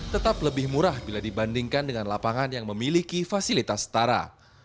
tetap lebih murah bila dibandingkan dengan lapangan yang memiliki fasilitas setara